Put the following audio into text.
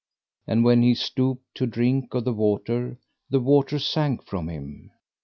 And when he stooped to drink of the water the water sank from him.